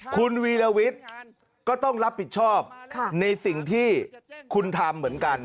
คุณวีรวิทย์ก็ต้องรับผิดชอบในสิ่งที่คุณทำเหมือนกัน